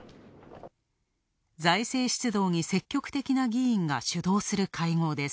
財政出動に積極的な議員が主導する会合です。